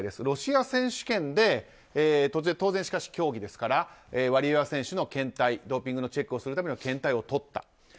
ロシア選手権で当然しかし競技ですからワリエワ選手の検体ドーピングのチェックをするための検体をとった。